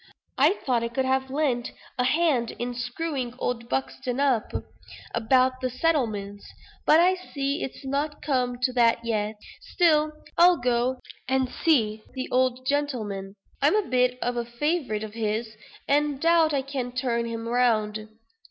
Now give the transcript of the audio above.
"I thought I could have lent a hand in screwing old Buxton up about the settlements; but I see it's not come to that yet. Still I'll go and see the old gentleman. I'm a bit of a favorite of his, and I doubt I can turn him round."